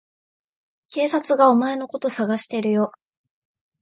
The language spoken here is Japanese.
警察がお前のこと捜してるよ。